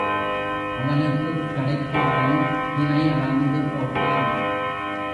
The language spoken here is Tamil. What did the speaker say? அவனுக்குக் கடைக்காரன் தினை அளந்து போட்டான்.